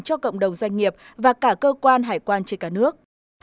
cho cộng đồng doanh nghiệp và cả cơ quan hải quan trên cả nước